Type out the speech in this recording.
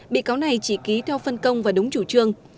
bị cáo này chỉ ký theo phân công và đúng chủ trương